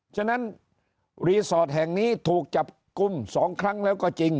ฉะนั้นรีสอร์ทแห่งนี้ถูกจับกลุ่ม๒ครั้งแล้วก็จริง